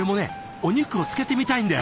お肉を漬けてみたいんだよ。